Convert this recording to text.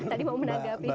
tadi mau menanggapi